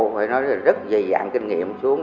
phải nói là rất dày dạng kinh nghiệm xuống